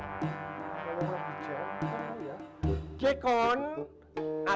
kalau nggak bijaksana ya